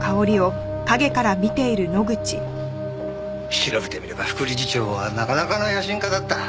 調べてみれば副理事長はなかなかの野心家だった。